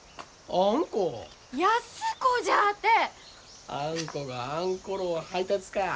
あんこがあんころを配達か。